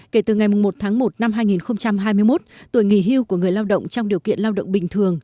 kể từ ngày một tháng một năm hai nghìn hai mươi một tuổi nghỉ hưu của người lao động trong điều kiện lao động bình thường